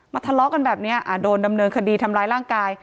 ทะเลาะกันแบบนี้โดนดำเนินคดีทำร้ายร่างกาย